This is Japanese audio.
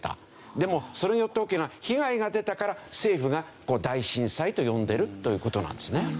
でもそれによって大きな被害が出たから政府が大震災と呼んでるという事なんですね。